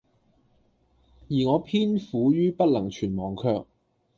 而我偏苦于不能全忘卻，